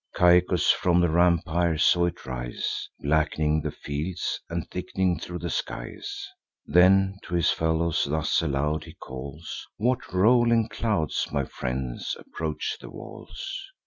Caicus from the rampire saw it rise, Black'ning the fields, and thick'ning thro' the skies. Then to his fellows thus aloud he calls: "What rolling clouds, my friends, approach the walls?